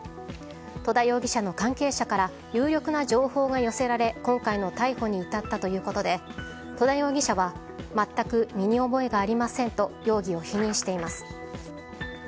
戸田容疑者の関係者から有力な情報が寄せられ今回の逮捕に至ったということで戸田容疑者は全く身に覚えがありませんと容疑を否認しています。